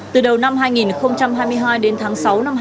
từ đầu năm hai nghìn hai mươi hai đến tháng sáu năm hai nghìn hai mươi ba